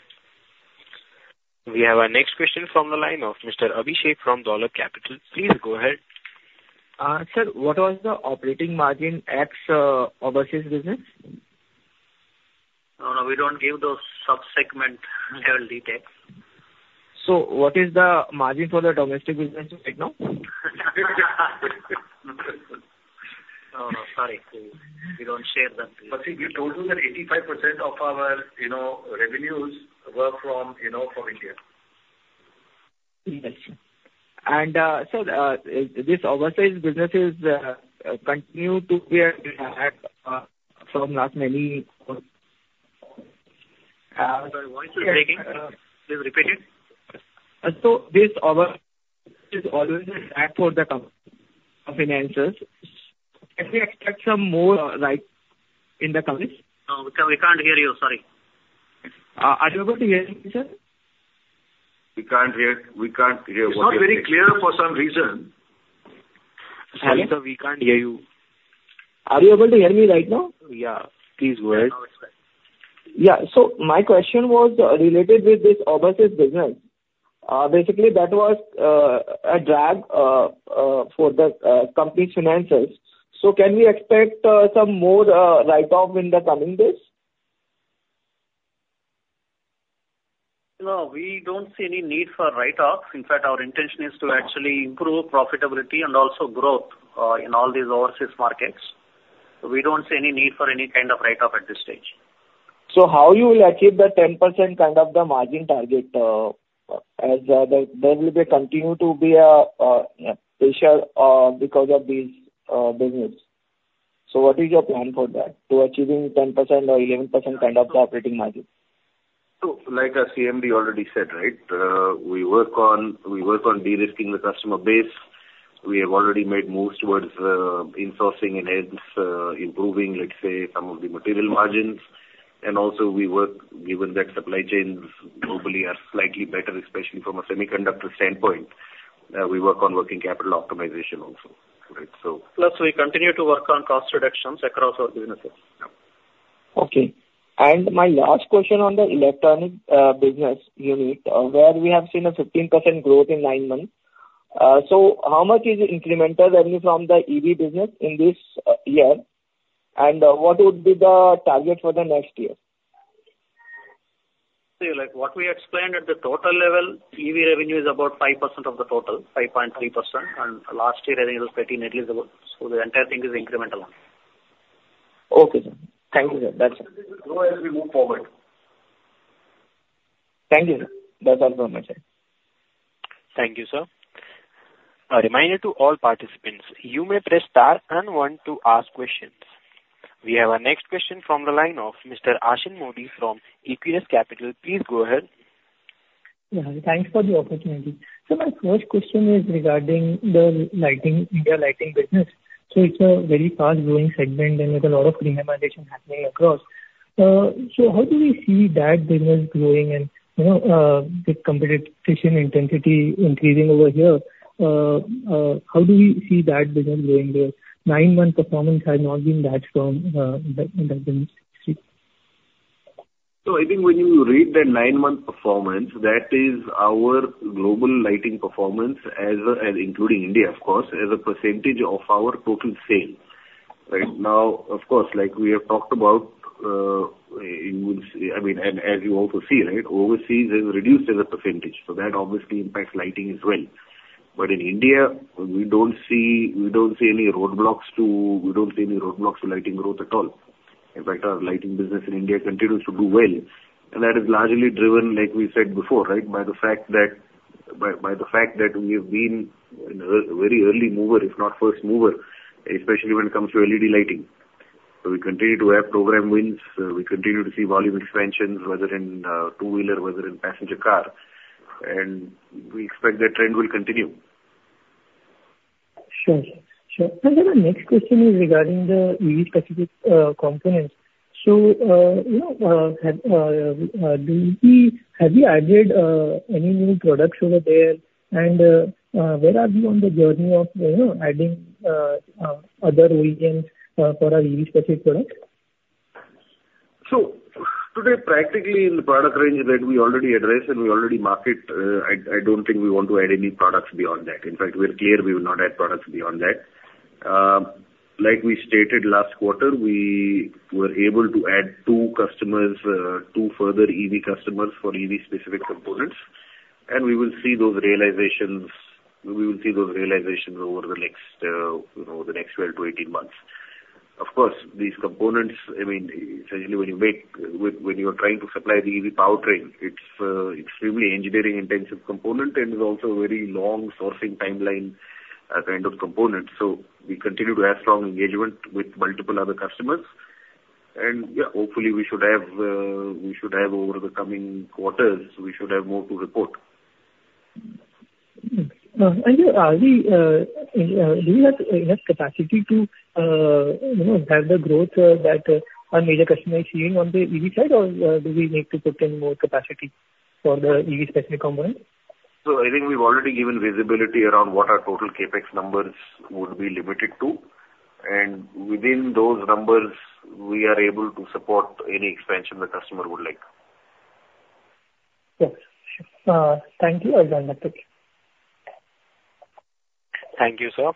We have our next question from the line of Mr. Abhishek from Dolat Capital. Please go ahead. Sir, what was the operating margin ex overseas business? No, no, we don't give those sub-segment level details. What is the margin for the domestic business right now? No, no, sorry. We don't share that. Abhishek, we told you that 85% of our, you know, revenues were from, you know, from India. Yes, sir. And, sir, this overseas business is, continue to be a drag, from last many... Your voice is breaking. Please repeat it. So this over is always a drag for the company finances. Can we expect some more, like, in the coming? No, we can't, we can't hear you, sorry. Are you able to hear me, sir? We can't hear. We can't hear what- It's not very clear for some reason. Abhishek, we can't hear you. Are you able to hear me right now? Yeah. Please go ahead. Yeah. So my question was related with this overseas business. Basically, that was for the company finances. So can we expect some more write-off in the coming days? No, we don't see any need for write-offs. In fact, our intention is to actually improve profitability and also growth in all these overseas markets. We don't see any need for any kind of write-off at this stage. So how you will achieve the 10% kind of the margin target, as there will continue to be a pressure because of these business. So what is your plan for that, to achieving 10% or 11% kind of operating margin? So, like our CMD already said, right, we work on, we work on de-risking the customer base. We have already made moves towards, insourcing and hence, improving, let's say, some of the material margins. And also, we work, given that supply chains globally are slightly better, especially from a semiconductor standpoint, we work on working capital optimization also. Right, so- Plus, we continue to work on cost reductions across our businesses. Okay. My last question on the electronics business unit, where we have seen a 15% growth in nine months. So how much is incremental revenue from the EV business in this year? And what would be the target for the next year? So, like, what we explained at the total level, EV revenue is about 5% of the total, 5.3%, and last year, I think it was pretty nearly the same. So the entire thing is incremental. Okay, sir. Thank you, sir. That's- It will grow as we move forward. Thank you, sir. That's all from my side. Thank you, sir. A reminder to all participants, you may press star and one to ask questions. We have our next question from the line of Mr. Ashin Modi from Equirus Securities. Please go ahead. Yeah, thanks for the opportunity. So my first question is regarding the lighting, Indian lighting business. So it's a very fast-growing segment and with a lot of rationalization happening across. So how do we see that business growing and, you know, the competition intensity increasing over here, how do we see that business growing there? Nine-month performance has not been that strong in that industry. So I think when you read the nine-month performance, that is our global lighting performance as including India, of course, as a percentage of our total sales. Right now, of course, like we have talked about, you will see... I mean, and as you also see, right, overseas has reduced as a percentage, so that obviously impacts lighting as well. But in India, we don't see, we don't see any roadblocks to, we don't see any roadblocks to lighting growth at all. In fact, our lighting business in India continues to do well, and that is largely driven, like we said before, right, by the fact that we have been a very early mover, if not first mover, especially when it comes to LED lighting. So we continue to have program wins, we continue to see volume expansions, whether in two-wheeler, whether in passenger car, and we expect that trend will continue. Sure, sir. Sure. And then my next question is regarding the EV-specific components. So, you know, have you added any new products over there? And where are you on the journey of, you know, adding other origins for our EV-specific products? Today, practically in the product range that we already address and we already market, I don't think we want to add any products beyond that. In fact, we're clear we will not add products beyond that. Like we stated last quarter, we were able to add 2 customers, 2 further EV customers for EV-specific components... and we will see those realizations, we will see those realizations over the next, you know, the next 12-18 months. Of course, these components, I mean, essentially, when you make, when you are trying to supply the EV powertrain, it's extremely engineering intensive component and is also a very long sourcing timeline, kind of component. So we continue to have strong engagement with multiple other customers. Yeah, hopefully we should have over the coming quarters, we should have more to report. And are we, do we have enough capacity to, you know, have the growth that our major customer is seeing on the EV side? Or, do we need to put in more capacity for the EV specific component? So I think we've already given visibility around what our total CapEx numbers would be limited to, and within those numbers, we are able to support any expansion the customer would like. Yes. Sure. Thank you. I join that, thank you. Thank you, sir.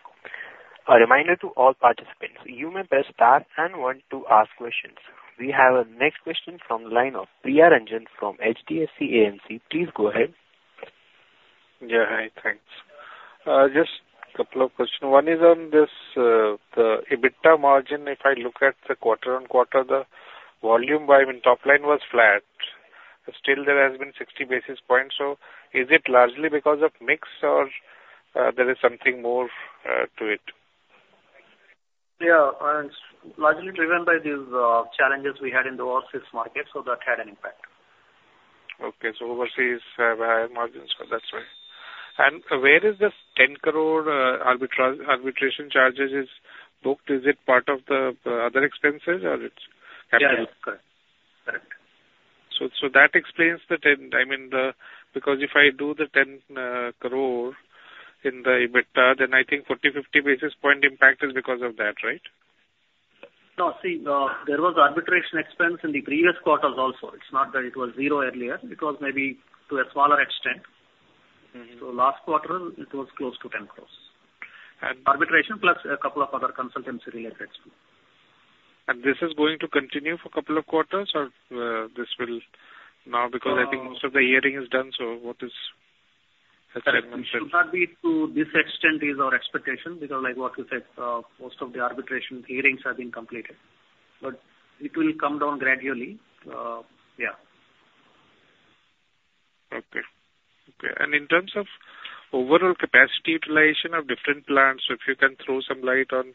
A reminder to all participants, you may press star and one to ask questions. We have a next question from the line of Priya Ranjan from HDFC AMC. Please go ahead. Yeah, hi. Thanks. Just a couple of questions. One is on this, the EBITDA margin. If I look at the quarter-on-quarter, the volume by when top line was flat, still there has been 60 basis points. So is it largely because of mix or, there is something more, to it? Yeah, it's largely driven by these challenges we had in the overseas market, so that had an impact. Okay. So overseas have higher margins, so that's right. And where is this 10 crore arbitration charges is booked? Is it part of the other expenses or it's capital? Yeah, correct. Correct. So that explains the 10, I mean the... Because if I do the 10 crore in the EBITDA, then I think 40 basis point-50 basis point impact is because of that, right? No, see, there was arbitration expense in the previous quarters also. It's not that it was zero earlier, it was maybe to a smaller extent Last quarter it was close to 10 crore. And- Arbitration plus a couple of other consultancy-related expenses. This is going to continue for a couple of quarters, or this will now, because I think most of the hearing is done, so what is the second one? Correct. It should not be to this extent is our expectation, because like what you said, most of the arbitration hearings have been completed. But it will come down gradually, yeah. Okay. Okay, and in terms of overall capacity utilization of different plants, so if you can throw some light on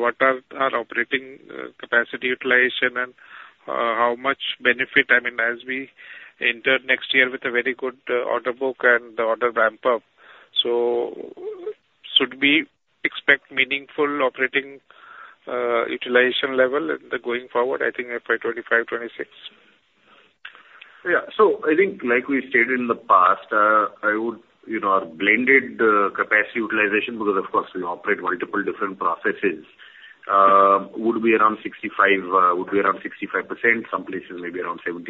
what are our operating capacity utilization and how much benefit, I mean, as we enter next year with a very good order book and the order ramp up. So should we expect meaningful operating utilization level going forward, I think by 2025, 2026? Yeah. So I think like we stated in the past, I would... You know, our blended capacity utilization, because of course, we operate multiple different processes, would be around 65%, would be around 65%, some places maybe around 70%.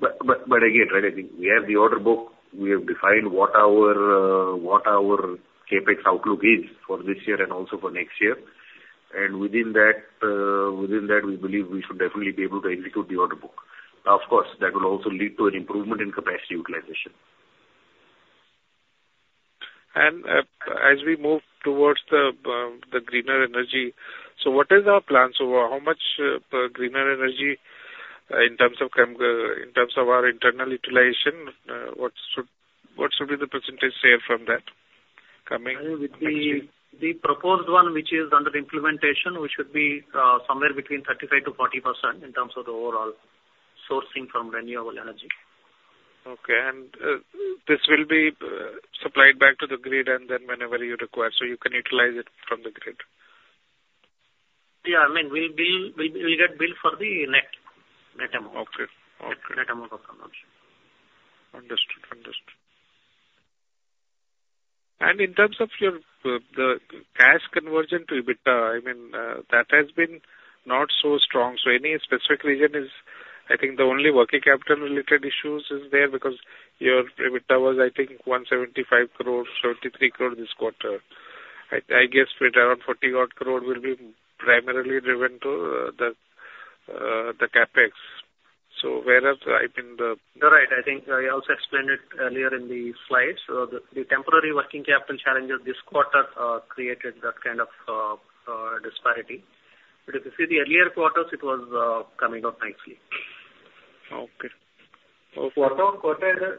But, but, but again, right, I think we have the order book. We have defined what our, what our CapEx outlook is for this year and also for next year. And within that, within that, we believe we should definitely be able to execute the order book. Of course, that will also lead to an improvement in capacity utilization. As we move towards the greener energy, so what is our plan? So how much greener energy in terms of them in terms of our internal utilization, what should be the percentage share from that coming next year? The proposed one, which is under implementation, we should be somewhere between 35%-40% in terms of the overall sourcing from renewable energy. Okay. And, this will be supplied back to the grid, and then whenever you require, so you can utilize it from the grid? Yeah, I mean, we'll bill, we'll get billed for the net, net amount. Okay. Okay. Net amount of consumption. Understood. Understood. And in terms of your, the cash conversion to EBITDA, I mean, that has been not so strong. So any specific reason is, I think the only working capital related issues is there, because your EBITDA was, I think, 175 crore, 73 crore this quarter. I guess it around 40-odd crore will be primarily driven to the CapEx. So whereas, I think the- You're right. I think I also explained it earlier in the slides. The temporary working capital challenges this quarter created that kind of disparity. But if you see the earlier quarters, it was coming out nicely. Okay. Okay. Quarter-on-quarter,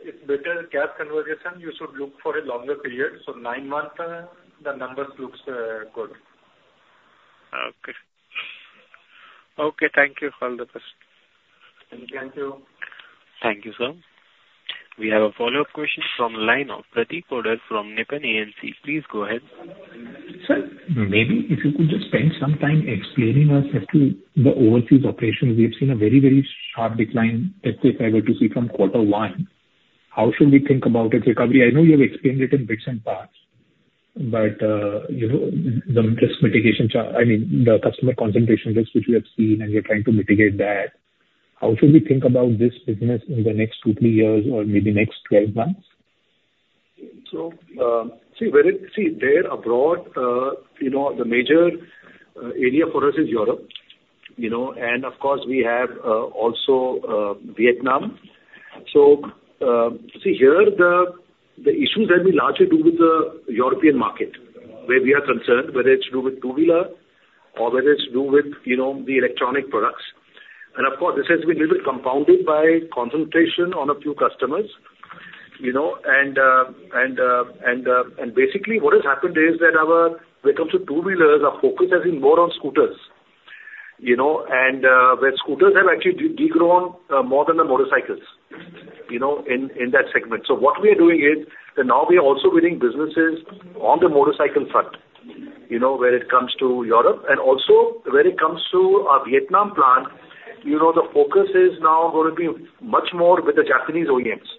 it's better cash conversion, you should look for a longer period. So nine months, the numbers looks, good. Okay. Okay, thank you for all the questions. Thank you. Thank you, sir. We have a follow-up question from the line of Prateek Poddar from Nippon AMC. Please go ahead. Sir, maybe if you could just spend some time explaining us as to the overseas operations. We have seen a very, very sharp decline, if I were to see from quarter one. How should we think about its recovery? I know you have explained it in bits and parts, but, you know, I mean, the customer concentration risk, which we have seen, and we are trying to mitigate that. How should we think about this business in the next two, three years or maybe next 12 months? So, see, when it, see there abroad, you know, the major area for us is Europe, you know, and of course, we have also Vietnam. So, see, here, the issues have been largely do with the European market, where we are concerned, whether it's to do with two-wheeler or whether it's to do with, you know, the electronic products. And of course, this has been a little bit compounded by concentration on a few customers, you know, and basically, what has happened is that our, when it comes to two-wheelers, our focus has been more on scooters, you know, and where scooters have actually de-grown more than the motorcycles, you know, in that segment. So what we are doing is, that now we are also winning businesses on the motorcycle front, you know, where it comes to Europe. And also, when it comes to our Vietnam plant, you know, the focus is now going to be much more with the Japanese OEMs.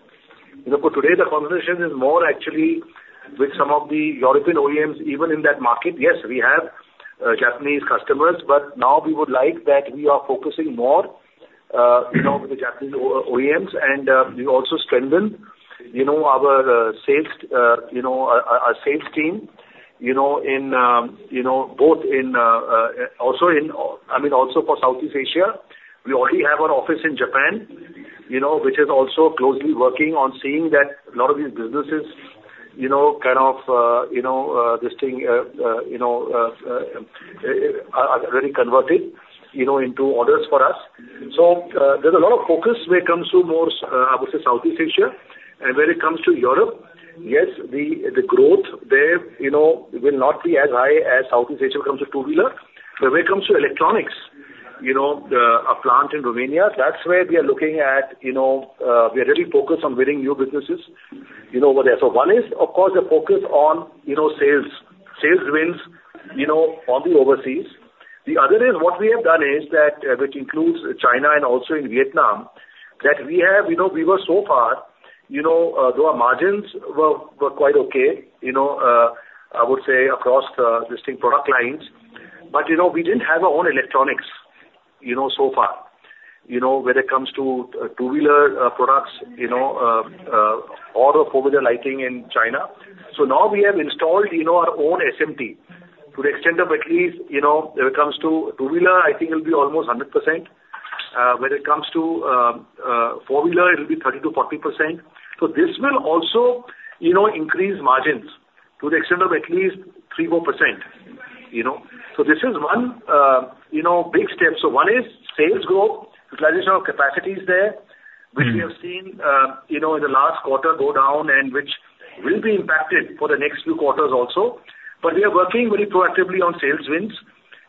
You know, for today, the conversation is more actually with some of the European OEMs, even in that market. Yes, we have Japanese customers, but now we would like that we are focusing more, you know, with the Japanese OEMs and we also strengthen, you know, our sales, you know, our sales team, you know, in, you know, both in, also in, I mean, also for Southeast Asia. We already have an office in Japan, you know, which is also closely working on seeing that a lot of these businesses, you know, kind of, are already converted, you know, into orders for us. So, there's a lot of focus when it comes to more, I would say, Southeast Asia. And when it comes to Europe, yes, the growth there, you know, will not be as high as Southeast Asia when it comes to two-wheeler. But when it comes to electronics, you know, our plant in Romania, that's where we are looking at, you know, we are really focused on winning new businesses, you know, over there. So one is, of course, the focus on, you know, sales, sales wins, you know, on the overseas. The other is, what we have done is that, which includes China and also in Vietnam, that we have, you know, we were so far, you know, though our margins were, were quite okay, you know, I would say, across, distinct product lines, but, you know, we didn't have our own electronics, you know, so far. You know, whether it comes to, two-wheeler, products, you know, or the four-wheeler lighting in China. So now we have installed, you know, our own SMT, to the extent of at least, you know, when it comes to two-wheeler, I think it'll be almost 100%. When it comes to, four-wheeler, it'll be 30%-40%. So this will also, you know, increase margins to the extent of at least 3%-4%, you know? This is one, you know, big step. One is sales growth, utilization of capacities there which we have seen, you know, in the last quarter, go down, and which will be impacted for the next few quarters also. But we are working very proactively on sales wins,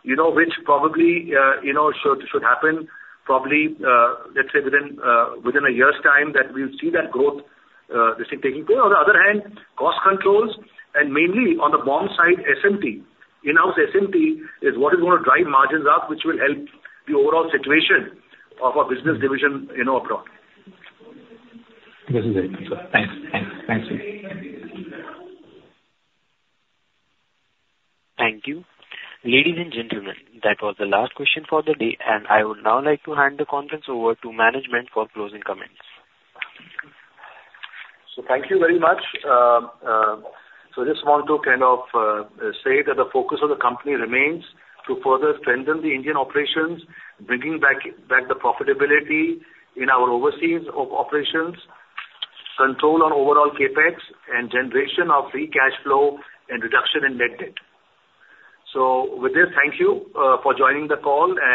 you know, which probably, you know, should happen probably, let's say within a year's time, that we'll see that growth, this thing taking. On the other hand, cost controls, and mainly on the bought-out side, SMT. In-house SMT is what is gonna drive margins up, which will help the overall situation of our business division, you know, abroad. This is it. Thanks. Thanks. Thanks. Thank you. Ladies and gentlemen, that was the last question for the day, and I would now like to hand the conference over to management for closing comments. Thank you very much. So I just want to kind of say that the focus of the company remains to further strengthen the Indian operations, bringing back the profitability in our overseas operations, control on overall CapEx, and generation of free cash flow, and reduction in net debt. So with this, thank you for joining the call and-